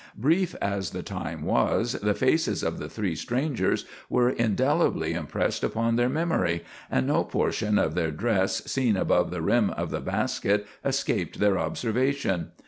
"] Brief as the time was, the faces of the three strangers were indelibly impressed upon their memory, and no portion of their dress seen above the rim of the basket escaped their observation.